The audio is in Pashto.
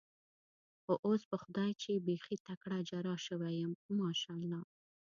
خو اوس په خدای چې بېخي تکړه جراح شوی یم، ماشاءالله.